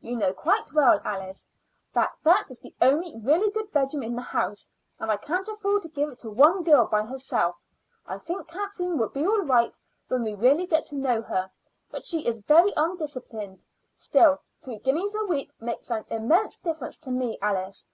"You know quite well, Alice, that that is the only really good bedroom in the house, and I can't afford to give it to one girl by herself. I think Kathleen will be all right when we really get to know her; but she is very undisciplined. Still, three guineas a week makes an immense difference to me, Alice.